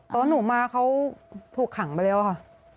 ตอนหนูมาเขาถูกขังไปแล้วค่ะ